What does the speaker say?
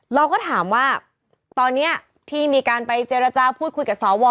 เราก็ถามว่าตอนนี้ที่มีการไปเจรจาพูดคุยกับสว